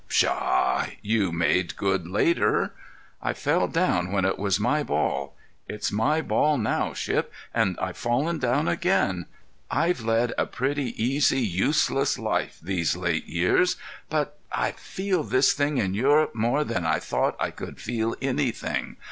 "Pshaw! You made good later." "I fell down when it was my ball. It's my ball now, Shipp, and I've fallen down again. I've led a pretty easy, useless life, these late years, but—I feel this thing in Europe more than I thought I could feel anything.